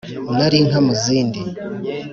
Nali inka mu zindi